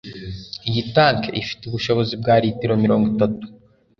Iyi tank ifite ubushobozi bwa litiro mirongo itatu.